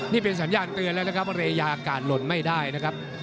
นี่เป็นสัญญาณเตือนแล้วนะครับว่าเรยาอากาศหล่นไม่ได้นะครับ